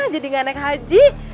jadi gak naik haji